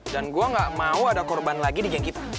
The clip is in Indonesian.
dan gue gak mau ada korban lagi di geng kita